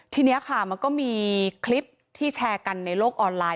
ทีนี้ค่ะมันก็มีคลิปที่แชร์กันในโลกออนไลน